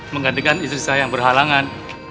menggantikan istri saya yang berhalangan